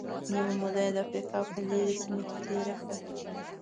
نیمه موده یې د افریقا په لرې سیمه کې تېره کړه.